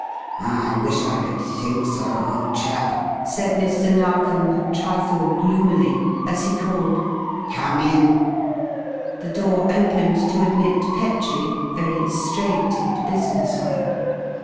"I wish I could think so, old chap!" said Mr. Narkom, a trifle gloomily, as he called "Come in!" The door opened to admit Petrie, very straight and business like.